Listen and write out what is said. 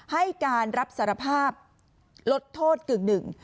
ให้การรับสารภาพลดโทษกึ่งหนึ่ง